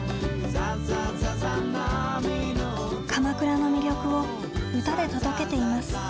鎌倉の魅力を歌で届けています。